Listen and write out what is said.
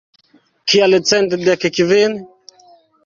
Kial cent dek kvin?